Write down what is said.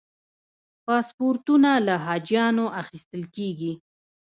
پاسپورتونه له حاجیانو اخیستل کېږي.